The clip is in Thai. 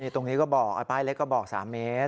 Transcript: ตรงนี้ก็บอกป้ายเล็กก็บอก๓เมตร